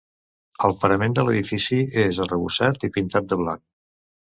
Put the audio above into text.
El parament de l’edifici és arrebossat i pintat de blanc.